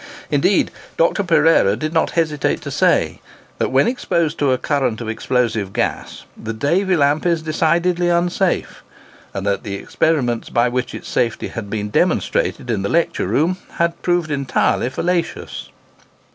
Indeed, Dr. Pereira did not hesitate to say, that when exposed to a current of explosive gas the Davy lamp is "decidedly unsafe," and that the experiments by which its safety had been "demonstrated" in the lecture room had proved entirely "fallacious."